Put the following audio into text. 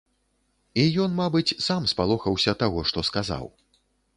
І ён, мабыць, сам спалохаўся таго, што сказаў.